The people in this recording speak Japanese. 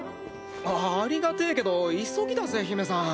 ありがてえけど急ぎだぜ姫さん。